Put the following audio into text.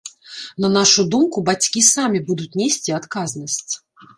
На нашу думку, бацькі самі будуць несці адказнасць.